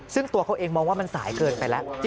ซึ่งตัวเขาเองมองว่ามันสายเกินไปแล้ว